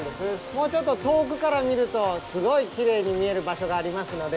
もうちょっと遠くから見るとすごいきれいに見える場所がありますので。